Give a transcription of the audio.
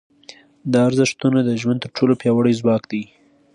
دا ارزښتونه د ژوند تر ټولو پیاوړي ځواک دي.